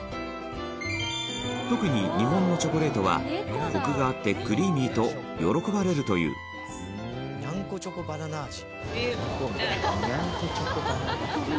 特に、日本のチョコレートはコクがあってクリーミーと喜ばれるという田中：にゃんこチョコバナナ味。